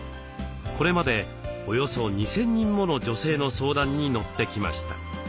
これまでおよそ２，０００人もの女性の相談に乗ってきました。